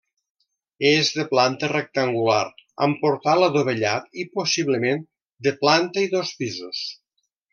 És de planta rectangular amb portal adovellat i possiblement de planta i dos pisos.